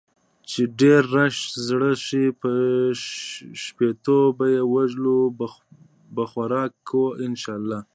چې ديرش زره شي په شپيتو بې وزلو به خوراک کو ان شاء الله.